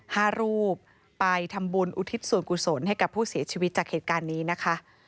ห้ารูปไปทำบุญอุทิศส่วนกุศลให้กับผู้เสียชีวิตจากเหตุการณ์นี้นะคะ